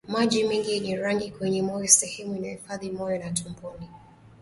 Maji mengi yenye rangi kwenye moyo sehemu inayohifadhi moyo na tumboni